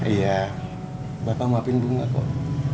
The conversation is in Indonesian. iya bapak nguapin bunga kok